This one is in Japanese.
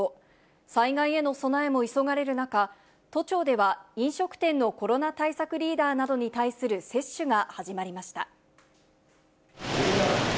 災害への備えも急がれる中、都庁では飲食店のコロナ対策リーダーなどに対する接種が始まりました。